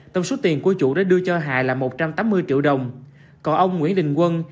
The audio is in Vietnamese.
tổng số tiền của chủ đã đưa cho hà là một trăm tám mươi triệu đồng còn ông nguyễn đình quân